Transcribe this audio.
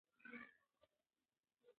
موږ کولای شو راتلونکی روښانه کړو.